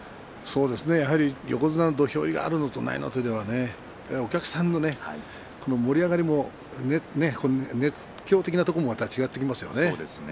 やはり横綱の土俵入りがあるのとないのとお客さんの盛り上がりも熱狂的なところも違ってきますよね。